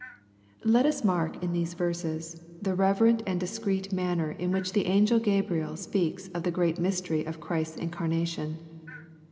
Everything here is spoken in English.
Let us mark, in these verses, the reverent and discreet manner in which the angel Gabriel speaks of the great mystery of Ghrisfs incarnation.